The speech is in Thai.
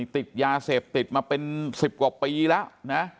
ติดยาเสพติดมาเป็น๑๐กว่าปีแล้วนะ